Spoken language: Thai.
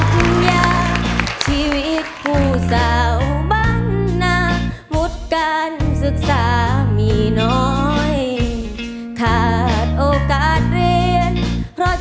โปรดติดตามตอนต่อไป